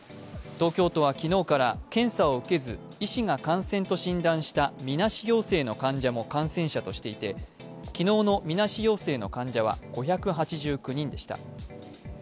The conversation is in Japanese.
東京都は昨日から検査を受けず、医師が感染と診断したみなし陽性の患者も感染者としていて昨日のみなし陽性の患者は５８９人でした。